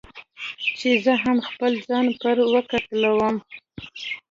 چې زه هم خپل ځان پر وکتلوم.